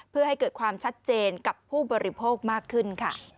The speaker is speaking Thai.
เพื่อให้เกิดความชัดเจนกับผู้บริโภคมากขึ้นค่ะ